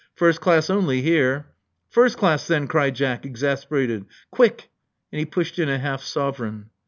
First class only here. "First class, then," cried Jack, exasperated. Quick. " And he pushed in a half sovereign.